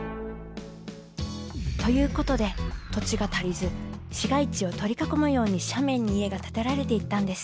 ということで土地が足りず市街地を取り囲むように斜面に家が建てられていったんです。